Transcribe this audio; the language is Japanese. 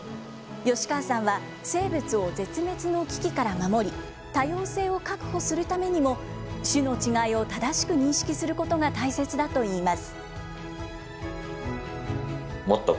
吉川さんは、生物を絶滅の危機から守り、多様性を確保するためにも、種の違いを正しく認識することが大切だといいます。